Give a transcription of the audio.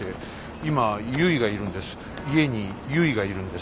今ゆいがいるんです